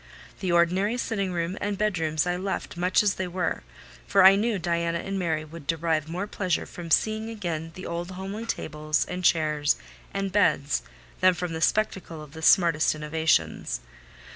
The ordinary sitting room and bedrooms I left much as they were: for I knew Diana and Mary would derive more pleasure from seeing again the old homely tables, and chairs, and beds, than from the spectacle of the smartest innovations.